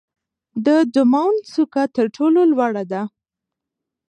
د دماوند څوکه تر ټولو لوړه ده.